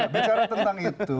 bicara tentang itu